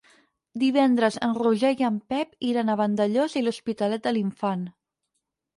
Divendres en Roger i en Pep iran a Vandellòs i l'Hospitalet de l'Infant.